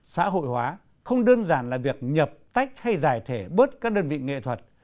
xã hội hóa không đơn giản là việc nhập tách hay giải thể bớt các đơn vị nghệ thuật